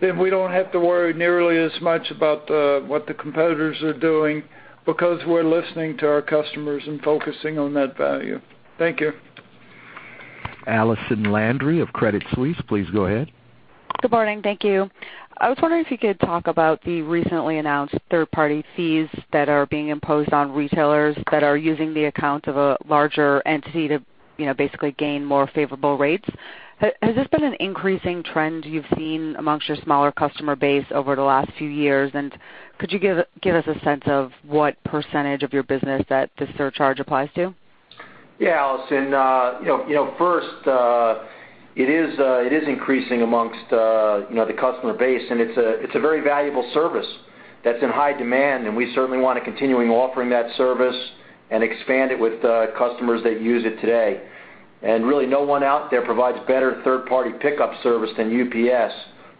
we don't have to worry nearly as much about what the competitors are doing because we're listening to our customers and focusing on that value. Thank you. Allison Landry of Credit Suisse, please go ahead. Good morning. Thank you. I was wondering if you could talk about the recently announced third-party fees that are being imposed on retailers that are using the account of a larger entity to basically gain more favorable rates. Has this been an increasing trend you've seen amongst your smaller customer base over the last few years? Could you give us a sense of what % of your business that this surcharge applies to? Yeah, Allison. First, it is increasing amongst the customer base, and it's a very valuable service that's in high demand, and we certainly want to continuing offering that service and expand it with customers that use it today. Really no one out there provides better third-party pickup service than UPS,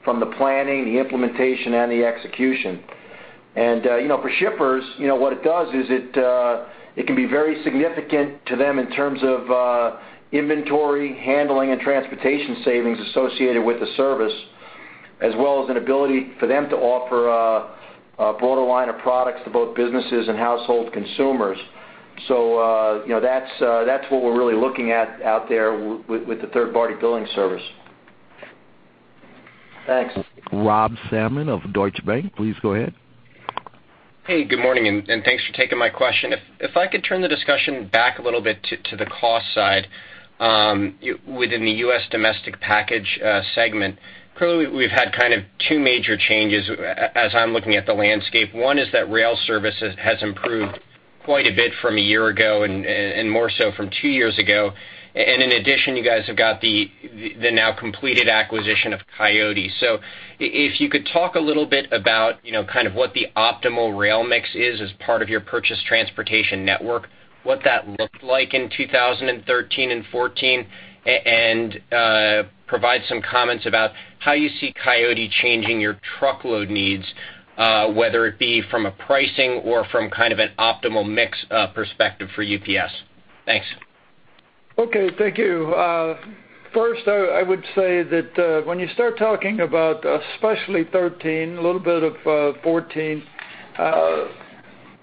from the planning, the implementation, and the execution. For shippers, what it does is it can be very significant to them in terms of inventory handling and transportation savings associated with the service, as well as an ability for them to offer a broader line of products to both businesses and household consumers. That's what we're really looking at out there with the third-party billing service. Thanks. Rob Salmon of Deutsche Bank, please go ahead. Hey, good morning, and thanks for taking my question. If I could turn the discussion back a little bit to the cost side within the U.S. domestic package segment. Currently, we've had kind of two major changes as I'm looking at the landscape. One is that rail service has improved quite a bit from a year ago and more so from two years ago. In addition, you guys have got the now completed acquisition of Coyote Logistics. If you could talk a little bit about kind of what the optimal rail mix is as part of your purchase transportation network, what that looked like in 2013 and 2014, and provide some comments about how you see Coyote Logistics changing your truckload needs, whether it be from a pricing or from kind of an optimal mix perspective for UPS. Thanks. Okay. Thank you. First, I would say that when you start talking about, especially 2013, a little bit of 2014,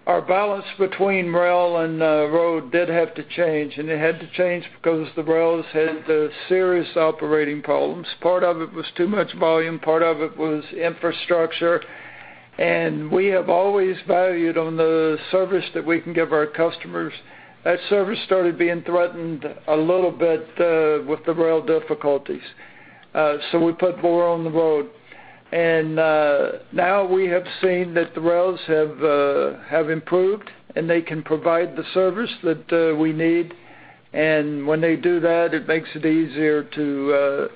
our balance between rail and road did have to change, and it had to change because the rails had serious operating problems. Part of it was too much volume, part of it was infrastructure. We have always valued on the service that we can give our customers. That service started being threatened a little bit with the rail difficulties. We put more on the road. Now we have seen that the rails have improved, and they can provide the service that we need. When they do that, it makes it easier to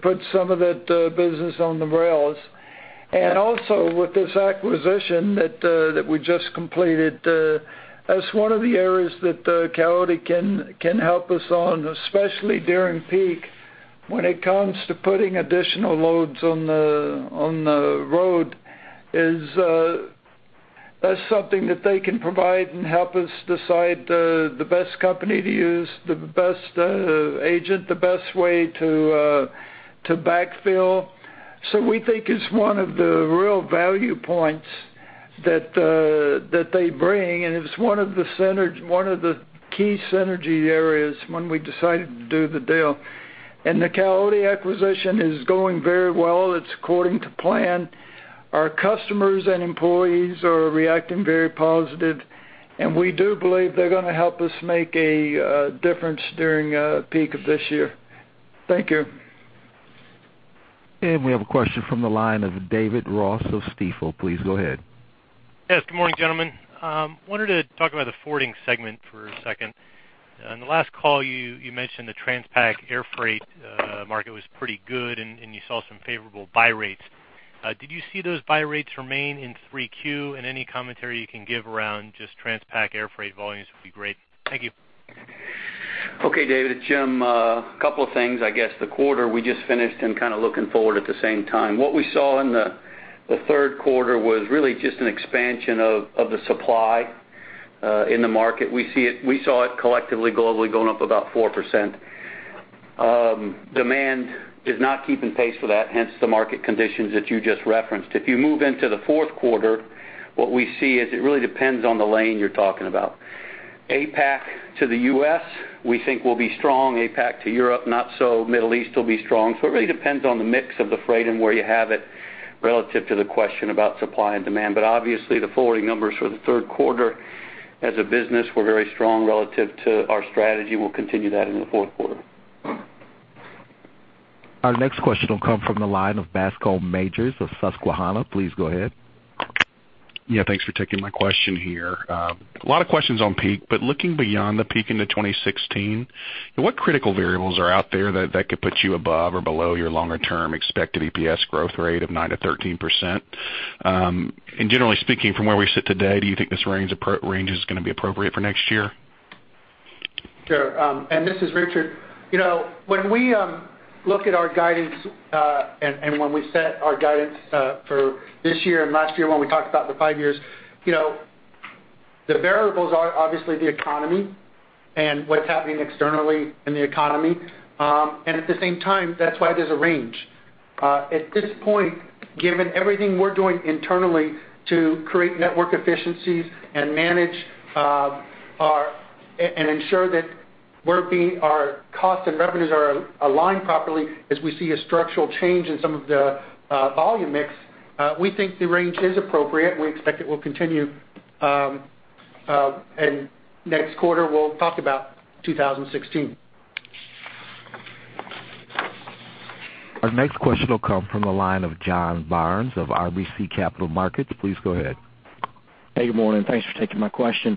put some of that business on the rails. Also, with this acquisition that we just completed, that's one of the areas that Coyote Logistics can help us on, especially during peak when it comes to putting additional loads on the road is that's something that they can provide and help us decide the best company to use, the best agent, the best way to backfill. We think it's one of the real value points that they bring, and it's one of the key synergy areas when we decided to do the deal. The Coyote Logistics acquisition is going very well. It's according to plan. Our customers and employees are reacting very positive, and we do believe they're going to help us make a difference during peak of this year. Thank you. We have a question from the line of David Ross of Stifel. Please go ahead. Yes. Good morning, gentlemen. Wanted to talk about the forwarding segment for a second. On the last call, you mentioned the transpac air freight market was pretty good, and you saw some favorable buy rates. Did you see those buy rates remain in Q3? Any commentary you can give around just transpac air freight volumes would be great. Thank you. Okay, David. Jim. A couple of things, I guess. The quarter we just finished and kind of looking forward at the same time. What we saw in the third quarter was really just an expansion of the supply in the market. We saw it collectively globally going up about 4%. Demand is not keeping pace with that, hence the market conditions that you just referenced. If you move into the fourth quarter, what we see is it really depends on the lane you're talking about. APAC to the U.S., we think will be strong. APAC to Europe, not so. Middle East will be strong. It really depends on the mix of the freight and where you have it relative to the question about supply and demand. Obviously, the forwarding numbers for the third quarter as a business were very strong relative to our strategy. We'll continue that in the fourth quarter. Our next question will come from the line of Bascome Majors of Susquehanna. Please go ahead. Yeah, thanks for taking my question here. A lot of questions on peak, looking beyond the peak into 2016, what critical variables are out there that could put you above or below your longer-term expected EPS growth rate of 9%-13%? Generally speaking, from where we sit today, do you think this range is going to be appropriate for next year? Sure. This is Richard. When we look at our guidance, and when we set our guidance for this year and last year when we talked about the five years, the variables are obviously the economy and what's happening externally in the economy. At the same time, that's why there's a range. At this point, given everything we're doing internally to create network efficiencies and ensure that our costs and revenues are aligned properly as we see a structural change in some of the volume mix, we think the range is appropriate. We expect it will continue, and next quarter, we'll talk about 2016. Our next question will come from the line of John Barnes of RBC Capital Markets. Please go ahead. Hey, good morning. Thanks for taking my question.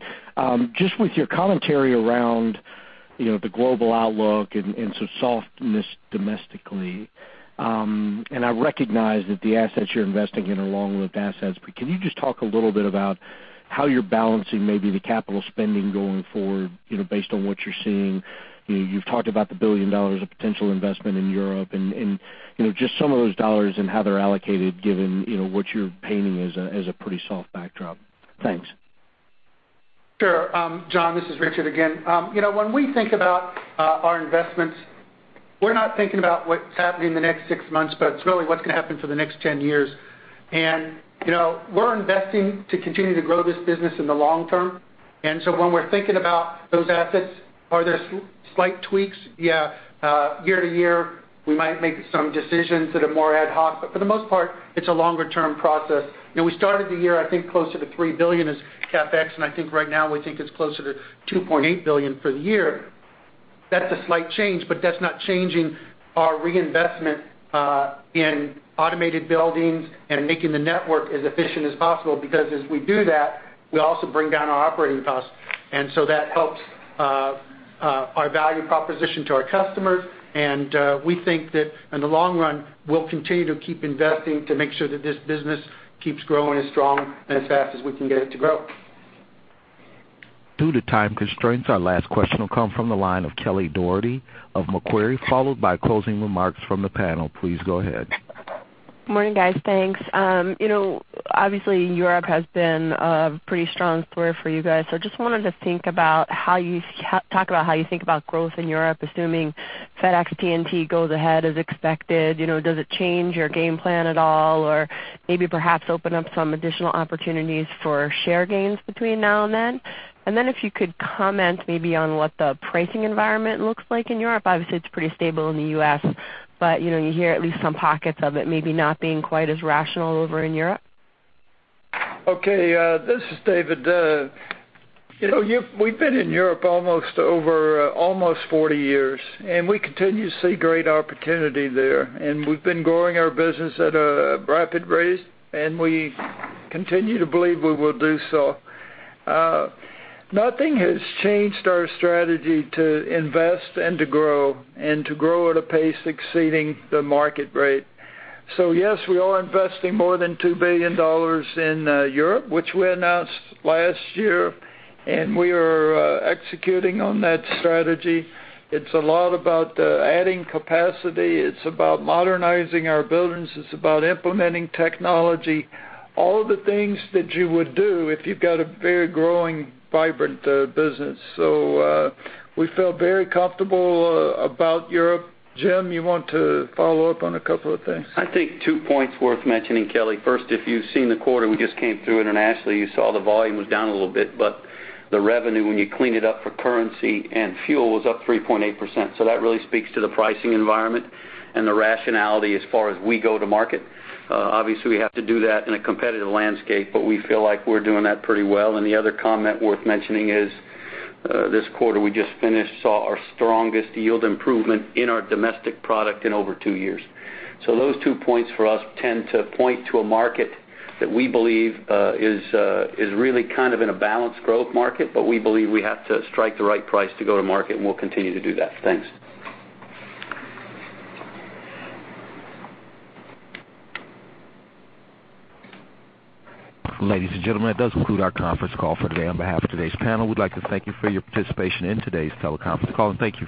I recognize that the assets you're investing in are long-lived assets, but can you just talk a little bit about how you're balancing maybe the capital spending going forward, based on what you're seeing? You've talked about the $1 billion of potential investment in Europe and just some of those dollars and how they're allocated given what you're painting as a pretty soft backdrop. Thanks. Sure. John, this is Richard again. When we think about our investments, we're not thinking about what's happening in the next six months, but it's really what's going to happen for the next 10 years. We're investing to continue to grow this business in the long term. When we're thinking about those assets, are there slight tweaks? Yeah. Year to year, we might make some decisions that are more ad hoc, but for the most part, it's a longer-term process. We started the year, I think, closer to $3 billion as CapEx, and I think right now we think it's closer to $2.8 billion for the year. That's a slight change, but that's not changing our reinvestment in automated buildings and making the network as efficient as possible because as we do that, we also bring down our operating costs. That helps our value proposition to our customers, and we think that in the long run, we'll continue to keep investing to make sure that this business keeps growing as strong and as fast as we can get it to grow. Due to time constraints, our last question will come from the line of Kelly Dougherty of Macquarie, followed by closing remarks from the panel. Please go ahead. Morning, guys. Thanks. Obviously, Europe has been a pretty strong story for you guys. I just wanted to think about how you talk about how you think about growth in Europe, assuming FedEx, TNT goes ahead as expected. Does it change your game plan at all? Or maybe perhaps open up some additional opportunities for share gains between now and then? If you could comment maybe on what the pricing environment looks like in Europe. Obviously, it's pretty stable in the U.S., but you hear at least some pockets of it maybe not being quite as rational over in Europe. Okay. This is David. We've been in Europe almost 40 years, and we continue to see great opportunity there. We've been growing our business at a rapid rate, and we continue to believe we will do so. Nothing has changed our strategy to invest and to grow, and to grow at a pace exceeding the market rate. Yes, we are investing more than $2 billion in Europe, which we announced last year, and we are executing on that strategy. It's a lot about adding capacity. It's about modernizing our buildings. It's about implementing technology, all the things that you would do if you've got a very growing, vibrant business. We feel very comfortable about Europe. Jim, you want to follow up on a couple of things? I think two points worth mentioning, Kelly. First, if you've seen the quarter we just came through internationally, you saw the volume was down a little bit, but the revenue, when you clean it up for currency and fuel, was up 3.8%. That really speaks to the pricing environment and the rationality as far as we go to market. Obviously, we have to do that in a competitive landscape, but we feel like we're doing that pretty well. The other comment worth mentioning is, this quarter we just finished saw our strongest yield improvement in our domestic product in over two years. Those two points for us tend to point to a market that we believe is really in a balanced growth market, but we believe we have to strike the right price to go to market, and we'll continue to do that. Thanks. Ladies and gentlemen, that does conclude our conference call for the day. On behalf of today's panel, we'd like to thank you for your participation in today's teleconference call, and thank you.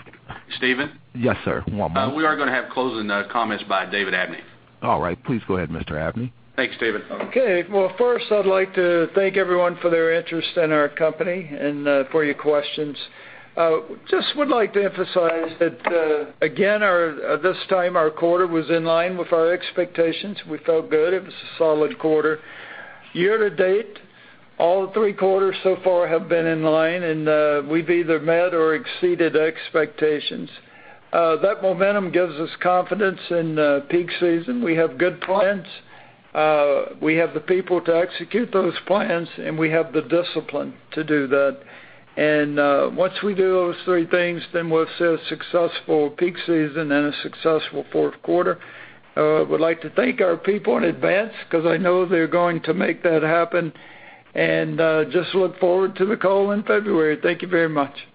Steven? Yes, sir. One more. We are going to have closing comments by David Abney. All right. Please go ahead, Mr. Abney. Thanks, Steven. Okay. Well, first, I'd like to thank everyone for their interest in our company and for your questions. Just would like to emphasize that, again, this time our quarter was in line with our expectations. We felt good. It was a solid quarter. Year to date, all three quarters so far have been in line, and we've either met or exceeded expectations. That momentum gives us confidence in peak season. We have good plans. We have the people to execute those plans, and we have the discipline to do that. Once we do those three things, then we'll set a successful peak season and a successful fourth quarter. Would like to thank our people in advance because I know they're going to make that happen, and just look forward to the call in February. Thank you very much.